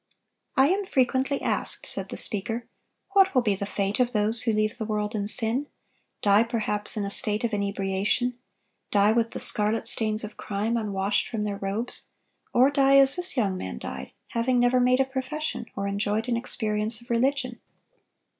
(940) "I am frequently asked," said the speaker, "what will be the fate of those who leave the world in sin, die, perhaps, in a state of inebriation, die with the scarlet stains of crime unwashed from their robes, or die as this young man died, having never made a profession or enjoyed an experience of religion.